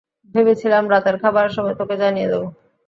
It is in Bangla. ভেবেছিলাম রাতের খাবারের সময় তোকে জানিয়ে দেব।